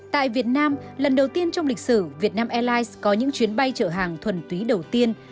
tại việt nam lần đầu tiên trong lịch sử việt nam airlines có những chuyến bay chở hàng thuần túy đầu tiên